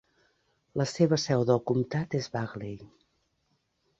La seva seu del comtat és Bagley.